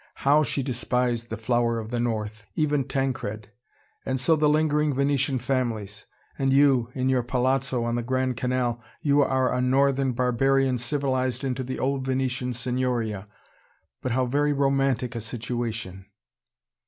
HOW she despised the flower of the north even Tancred! And so the lingering Venetian families! And you, in your palazzo on the Grand Canal: you are a northern barbarian civilised into the old Venetian Signoria. But how very romantic a situation!"